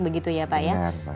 begitu ya pak ya